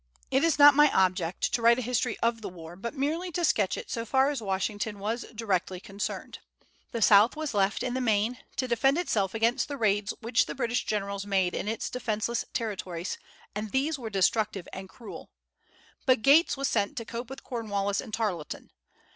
It is not my object to write a history of the war, but merely to sketch it so far as Washington was directly concerned. The South was left, in the main, to defend itself against the raids which the British generals made in its defenceless territories, and these were destructive and cruel. But Gates was sent to cope with Cornwallis and Tarleton.